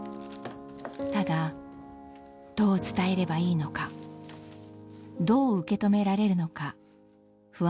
ただどう伝えればいいのかどう受け止められるのか不安でした。